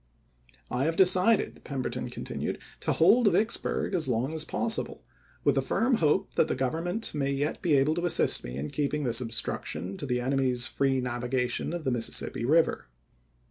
"I have decided," Pemberton continued, " to hold Vicksburg as long as possible, with the firm hope that the Govern ment may yet be able to assist me in keeping this obstruction to the enemy's free navigation of the voi.xxiv., Mississippi River.